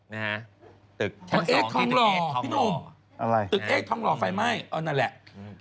นะฮะตึกชั้น๒ที่ตึกเอสทองหล่อพี่โน้มตึกเอสทองหล่อไฟไหม้นั่นแหละ